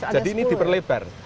jadi ini diperlebar